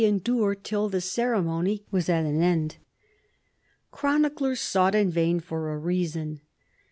endure till the ceremony was at an end. Chroniclers sought in vain for a reason.